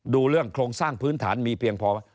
ดูเรื่องโครงสร้างพื้นฐานมีเพียงพอ